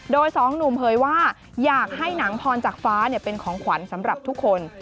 โดยสองหนุ่มเผยว่าอยากให้หนังพรจากฟ้าเป็นของขวัญสำหรับทุกคน